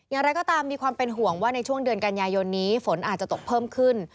อย่างไรก็ตามมีความเป็นห่วงว่าในช่วงเดือนกันยายนนี้ฝนอาจจะตกเพิ่มขึ้น